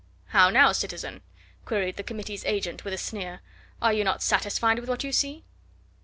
"How now, citizen?" queried the Committee's agent with a sneer. "Are you not satisfied with what you see?"